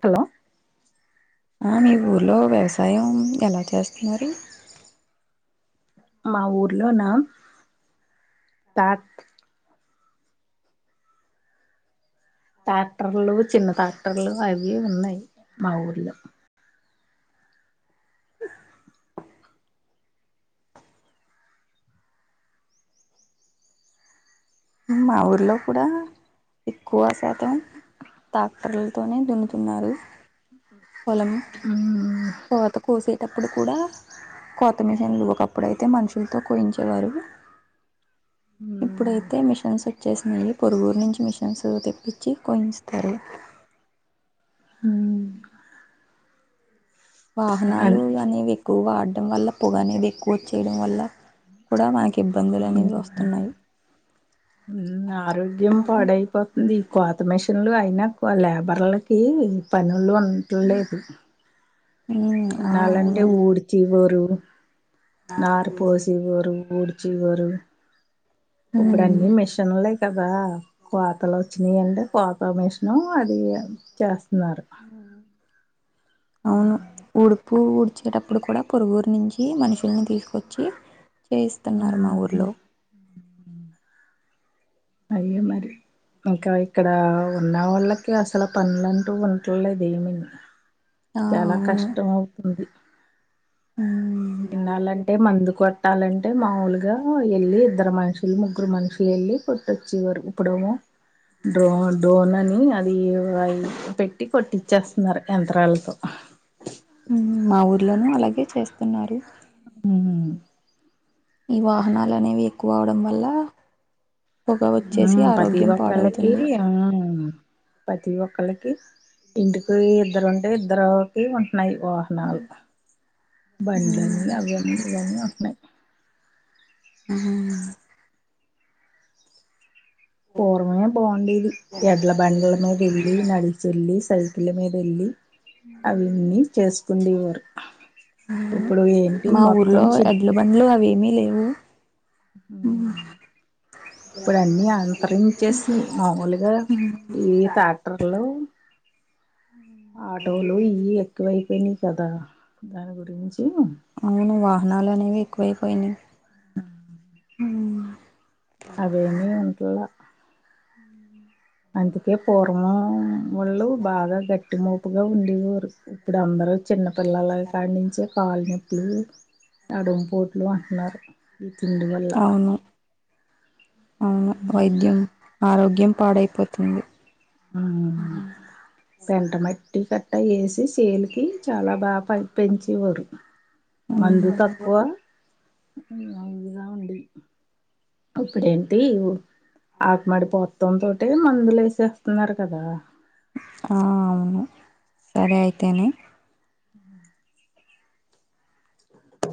hello మీ ఊర్లో వ్యవసాయం ఎలా చేస్తున్నారు మా ఊర్లో నా తత్ ట్రాక్టర్లు చిన్న ట్రాక్టర్లు అవి ఉన్నాయి మా ఊర్లో మా ఊర్లో కూడా ఎక్కువ శాతం టాక్టర్లతోనే దున్నుతున్నారు పొలం కోత కోసేటప్పుడు కూడా కోతమిషన్లు ఒకప్పుడైతే మనుషులతో కూయించేవారు ఇప్పుడైతే మిషన్స్ వచ్చేసినాయి పొరుగురు నుంచి మిషన్స్ తెప్పించి కోయిస్తారు ఉ వాహనాలు అనేవి ఎక్కువ వాడ వల్ల పొగ అనేది ఎక్కువ వచ్చేయడం వల్ల కూడా వా ఆరోగ్యం పాడయిపోతుంది కోత మిషన్లు అయినా లేబర్లకి పనులు ఉండలేదు ఉమ్, ఆ అవును ఎన్నాాలంటే ఊడిచీవరు నార్ పూసి వ ఊడిచి వరు ఇప్పుడు ఉమ్, అన్ని మిషన్లే కదా కోతలు వచ్చినాయి అంటడి కోత మేషిన అది చేస్తా అవును ఉడ్ పువ్వుఊడిచేటప్పుడు కూడా పొరుగురు నుంచి మనుషుల్ని తీసుకొచ్చి ఏయిస్తున్నార్ మా ఊర్లో అయ్యె మరి ఇంకా ఇక్కడా ఉన్న వాళ్ళకి అసల్ పన్లంటూ ఉంట్లేదు ఏమిను ఆ చాలా అవును కష్టం ఔతుంది మ్మ్ విన్నాలంటే మందు కొట్టాలంటే మావూలుగా వెళ్ళి ఇద్దర్ మనుషుల్ ముగ్గుర్ మనుషుల్ ఎళ్ లీ కొట్టచ్చెవర్ ఇప్పుడొమొ డ్రో డ్రోన్ అనీ అదీవి పెట్టి కొట్టించేస్తున్నార్ యంత్రాలతో మ్ మా ఊర్లోనూ అలాగే చేస్తున్నారు మ్ ఈ వాహనాల్ అనేవి ఎక్కువ అవడం వల్లా మ్ పతి ఒక్కళ్లకీ ఆ ప్రతి ఒకల్లకి ఇంటికి ఒ ఇద్దరు ఉంటే ఇద్దరుకి ఉ నయ్ వాహనాల్ బండ్లన్ని అవన్ని ఇవన్ని ఉన్నాయి మ్ పూర్వమే బాగుండేది ఎడ్ల బండుల మీద వెల్లి నడిచెల్లి సై ల మీద ఎళ్ళి అవన్నీ చేసుకునె వారు మా ఊర్లో చి ఎడ్ల బండ్లు అవేమీ లేవు ఉమ్, ఇప్పుడ్ అన్నీ అంతరించేసిని మామూలుగా ఈ ట్రాక్టర్లు ఆటోలు ఇయీ ఎక్కువైపోయినయ్ కదా దాని గురించి కువయ్ పోయినయ్ మ్ అవేమీ ఉంటల్లా అందుకే పూర్మం వొళ్ళు బాగా గట్టిమోపుగా ఉండేవోరు ఇప్పుడ్ అందర్ చిన్న పిల్లల కాడించి కాలు నొప్పులు నడుమ్ పోట్లు అంటున్నార్ తిండి వల్ల ఔను వైద్యం ఆరోగ్యం పాడైపోతుంది ఆ తింటన టిఫన్ అట్ట ఏసి చేన్కి చాలా బాగా పం పెంచేవారు ఉమ్, మందు తక్కువ [inaudible] ఉండె ఇప్పుడేంటి ఉ ఆకుమడిపోత్తం తోటే మందుల్ ఏసేస్తున్నార్ కదా ఆ అవును సరే అయితేని